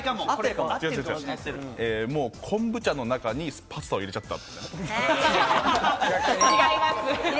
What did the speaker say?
もう昆布茶の中にパスタを入れちゃった。